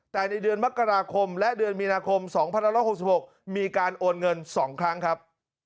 แต่ในเดือนมกราคมและเดือนมีนาคม๒๑๖๖มีการโอนเงิน๒ครั้งครับ